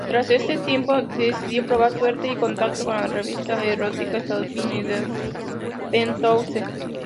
Tras ese tiempo, decidió probar suerte y contacto con la revista erótica estadounidense Penthouse.